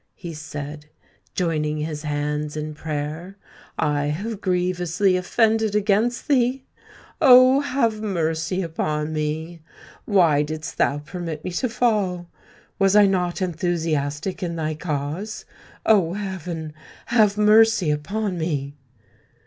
he said, joining his hands in prayer. "I have grievously offended against thee: oh! have mercy upon me. Why didst thou permit me to fall? Was I not enthusiastic in thy cause? O heaven, have mercy upon me!"